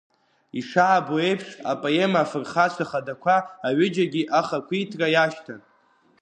Ишаабо еиԥш, апоема афырхацәа хадақәа аҩыџьагьы ахақәиҭра иашьҭан.